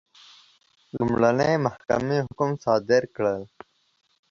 لومړنۍ محکمې حکم صادر کړ.